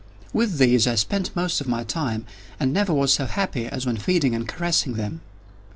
With these I spent most of my time, and never was so happy as when feeding and caressing them.